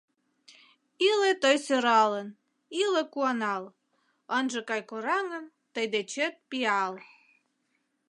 Иле тый сӧралын, иле куанал: ынже кай кораҥын тый дечет пиал.